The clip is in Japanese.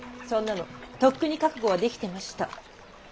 そんなのとっくに覚悟はできてました。